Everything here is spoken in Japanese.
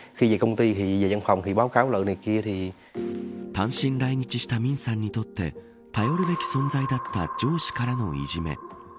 単身来日したミンさんにとって頼るべき存在だった上司からのいじめ。